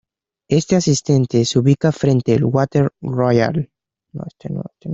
Este asistente se ubica frente al water-roller.